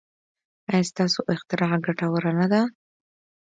ایا ستاسو اختراع ګټوره نه ده؟